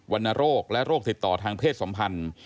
รณโรคและโรคติดต่อทางเพศสัมพันธ์